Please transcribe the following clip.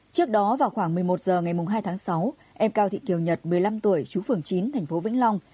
trước đó vào khoảng một mươi một h ngày hai tháng sáu em cao thị kiều nhật một mươi năm tuổi chú phường chín thành phố vĩnh long